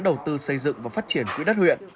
đầu tư xây dựng và phát triển quỹ đất huyện